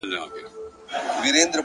زحمت د راتلونکي حاصل خېزي زیاتوي,